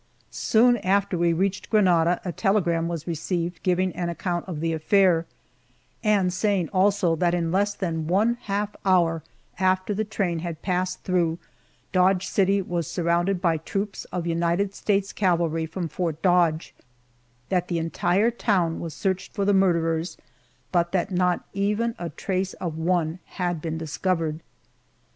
Soon after we reached Granada a telegram was received giving an account of the affair, and saying also that in less than one half hour after the train had passed through, Dodge City was surrounded by troops of United States cavalry from Fort Dodge, that the entire town was searched for the murderers, but that not even a trace of one had been discovered.